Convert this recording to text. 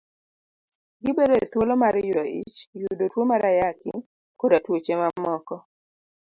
Gibedo e thuolo mar yudo ich, yudo tuo mar Ayaki, koda tuoche mamoko.